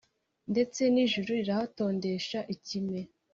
ndetse n’ijuru rirahatondesha ikime.